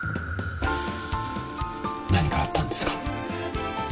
何かあったんですか？